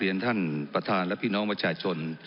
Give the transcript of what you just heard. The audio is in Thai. เรียนท่านประทานและพี่น้องปว่าจ่ายชน